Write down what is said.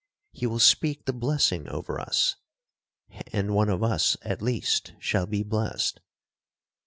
He will speak the blessing over us,—and one of us, at least, shall be blessed.'